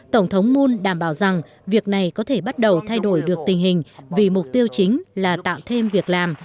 tổng thống moon đảm bảo rằng việc này có thể bắt đầu thay đổi được tình hình vì mục tiêu chính là tạo thêm việc làm